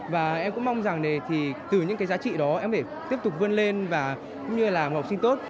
và em cũng mong rằng thì từ những cái giá trị đó em phải tiếp tục vươn lên và cũng như là học sinh tốt